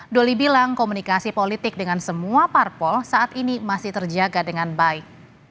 doli bilang komunikasi politik dengan semua parpol saat ini masih terjaga dengan baik